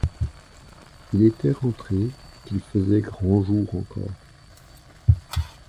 Il était rentré qu’il faisait grand jour encore.